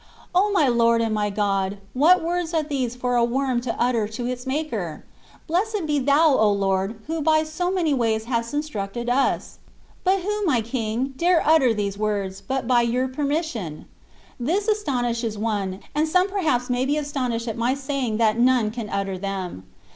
O my Lord and my God ! what words are these for a worm to utter to its Maker ! Blessed be thou, O Lord ! who by so many ways hast in structed us. But who, my King ! dare utter these words, but by your permission ? This astonishes one ; and some perhaps may be astonished at my saying that none can utter them.